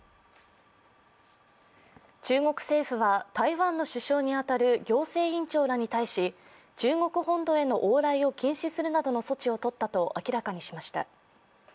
中国政府は台湾の首相に当たる行政院長らに対し中国本土への往来を禁止するなどの措置をとったと明らかにしました。